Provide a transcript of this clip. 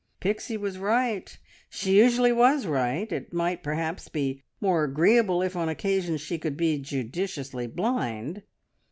Pixie was right she usually was right; it might, perhaps, be more agreeable if on occasions she could be judiciously blind!